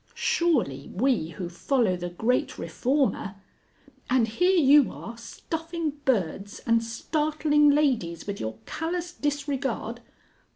Surely, we who follow the Great Reformer.... And here you are stuffing birds, and startling ladies with your callous disregard...."